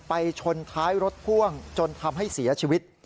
ชนท้ายรถพ่วงจนทำให้เสียชีวิต